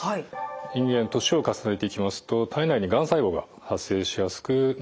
人間年を重ねていきますと体内にがん細胞が発生しやすくなります。